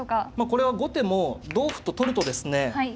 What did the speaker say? これは後手も同歩と取るとですね